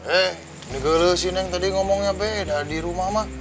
eh ini gelesin yang tadi ngomongnya beda di rumah ma